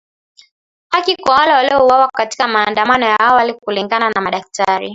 Haki kwa wale waliouawa katika maandamano ya awali kulingana na madaktari